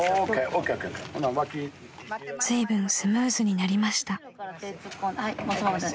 ［ずいぶんスムーズになりました］